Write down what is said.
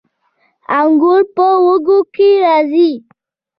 انګور په وږو کې راځي